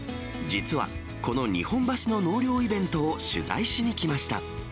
実は、この日本橋の納涼イベントを取材しに来ました。